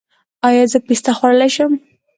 ایا زه پسته خوړلی شم؟